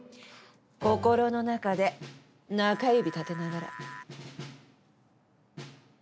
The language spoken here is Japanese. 心の中で中指立てながら。